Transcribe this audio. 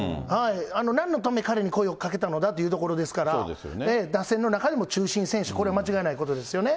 なんのために彼に声をかけたのだというところですから、打線の中でも中心選手、これは間違いないことですよね。